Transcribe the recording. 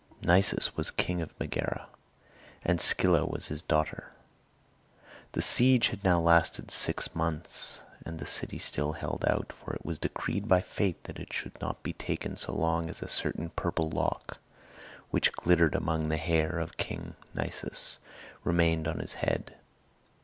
Nisus was king of Megara, and Scylla was his daughter. The siege had now lasted six months and the city still held out, for it was decreed by fate that it should not be taken so long as a certain purple lock, which glittered among the hair of King Nisus, remained on his head.